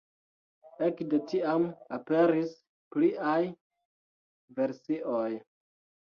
Ekde tiam aperis pliaj versioj.